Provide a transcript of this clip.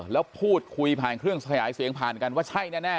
แล้วพูดคุยผ่านเครื่องขยายเสียงผ่านกันว่าใช่แน่